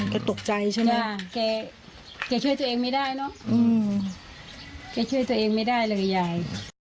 แกตกใจใช่ไหมแกช่วยตัวเองไม่ได้เนอะแกช่วยตัวเองไม่ได้เลยยาย